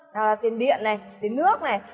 đó là tiền điện này tiền nước này